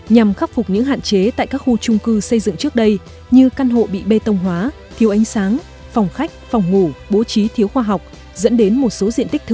nhằm khắc phục những hạn chế tại các khu trung cư xây dựng trước đây như căn hộ bị bê tông hóa thiếu ánh sáng phòng khách phòng ngủ bố trí thiếu khoa học dẫn đến một số diện tích thừa